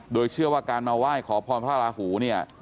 โดยเชื่อว่าการมาไหว้ขอพรพระราหูเนี่ย